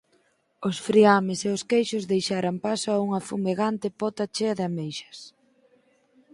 Os friames e os queixos deixaran paso a unha fumegante pota chea de ameixas.